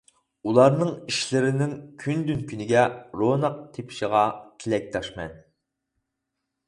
ئۇلارنىڭ ئىشلىرىنىڭ كۈندىن-كۈنگە روناق تېپىشىغا تىلەكداشمەن.